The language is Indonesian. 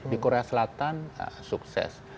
di korea selatan sukses